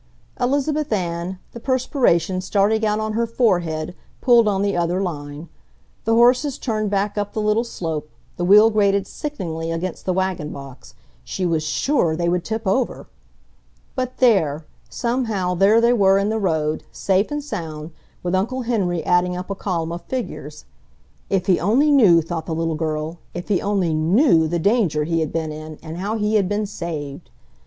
Elizabeth Ann, the perspiration starting out on her forehead, pulled on the other line. The horses turned back up the little slope, the wheel grated sickeningly against the wagonbox—she was SURE they would tip over! But there! somehow there they were in the road, safe and sound, with Uncle Henry adding up a column of figures. If he only knew, thought the little girl, if he only KNEW the danger he had been in, and how he had been saved...!